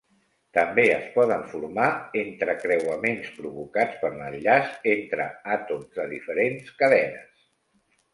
També es poden formar entrecreuaments provocats per l'enllaç entre àtoms de diferents cadenes.